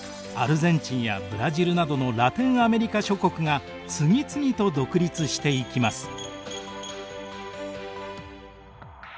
アルゼンチンやブラジルなどのラテンアメリカ諸国が次々と独立していきます。